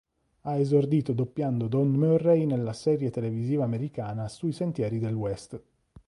Ha esordito doppiando Don Murray nella serie televisiva americana "Sui sentieri del West".